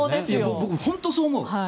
僕、本当にそう思う。